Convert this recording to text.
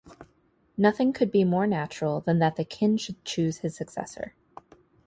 Nothing could be more natural than that the kin should choose his successor.